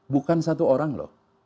bukan satu orang loh